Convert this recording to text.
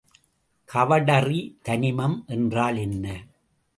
சுவடறி தனிமம் என்றால் என்ன?